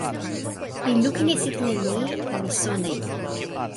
mi lukin e sitelen ni la mi sona e ni.